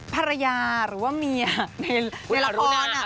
ภรรยาหรือว่าเมียในละคร